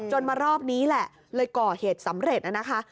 มารอบนี้แหละเลยก่อเหตุสำเร็จนะคะ